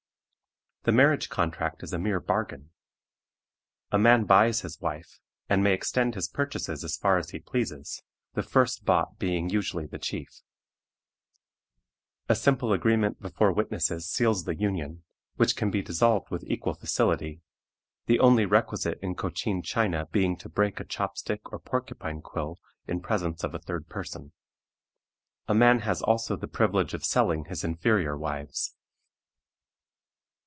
The marriage contract is a mere bargain. A man buys his wife, and may extend his purchases as far as he pleases, the first bought being usually the chief. A simple agreement before witnesses seals the union, which can be dissolved with equal facility, the only requisite in Cochin China being to break a chopstick or porcupine quill in presence of a third person. A man has also the privilege of selling his inferior wives.